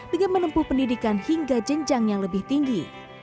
dengan menempuh pendidikan hingga jenjang yang lebih tinggi